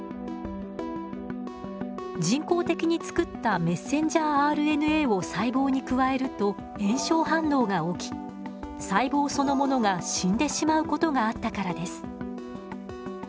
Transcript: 人工的につくったｍＲＮＡを細胞に加えると炎症反応が起き細胞そのものが死んでしまうことがあったからです。